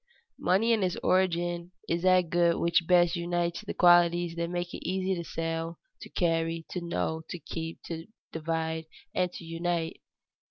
_Money in its origin is that good which best unites the qualities that make it easy to sell, to carry, to know, to keep, to divide, and unite.